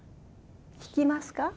弾きますか？